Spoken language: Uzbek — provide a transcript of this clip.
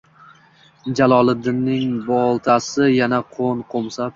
Jallodning boltasi yana qon qo’msab